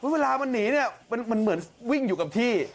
เวลามันหนีเนี่ยมันเหมือนวิ่งอยู่กับที่